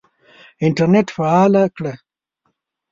انټرنېټ فعاله کړه !